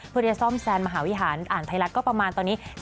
เพื่อจะซ่อมแซมมหาวิหารอ่านไทยรัฐก็ประมาณตอนนี้